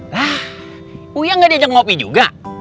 lah uya nggak diajak ngopi juga